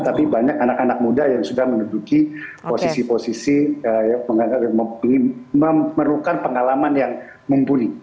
tapi banyak anak anak muda yang sudah menduduki posisi posisi memerlukan pengalaman yang mumpuni